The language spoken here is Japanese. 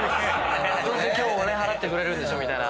「どうせ今日払ってくれるんでしょ」みたいな。